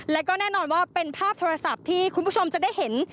แล้วก็แน่นอนว่าเป็นภาพโทรศัพท์ที่คุณผู้ชมจะได้เห็น